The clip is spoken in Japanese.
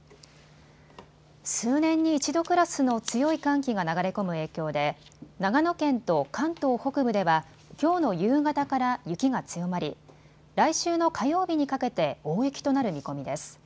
数年に一度クラスの強い寒気が流れ込む影響で長野県と関東北部ではきょうの夕方から雪が強まり来週の火曜日にかけて大雪となる見込みです。